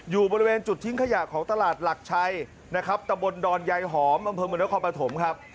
อยู่บริเวณจุดทิ้งขยะของตลาดหลักชัยนะครับตะบนดอนยายหอมอำเภอเมืองนครปฐมครับ